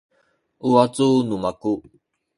u wacu nu maku